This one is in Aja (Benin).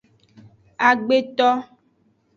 Agbeto.